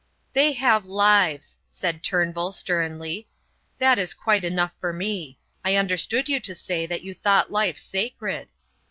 "They have lives!" said Turnbull, sternly; "that is quite enough for me. I understood you to say that you thought life sacred."